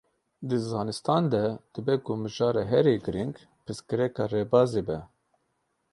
Di zanistan de dibe ku mijara herî giring, pirsgirêka rêbazê be.